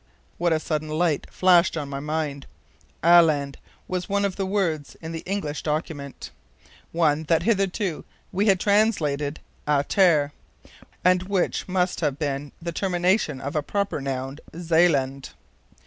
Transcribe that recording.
What a sudden light flashed on my mind. ALAND was one of the words in the English document, one that hitherto we had translated a terre, and which must have been the termination of the proper noun, ZEALAND."